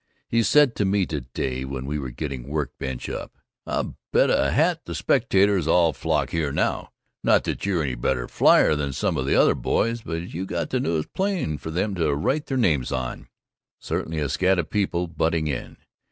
He said to me to day when we were getting work bench up, "I bet a hat the spectators all flock here, now. Not that you're any better flier than some of the other boys, but you got the newest plane for them to write their names on." Certainly a scad of people butting in.